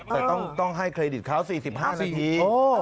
แต่ต้องให้เครดิตเขา๔๕นาที